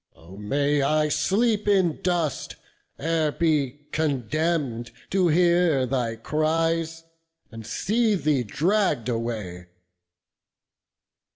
Oh may I sleep in dust, ere be condemn'd To hear thy cries, and see thee dragg'd away!"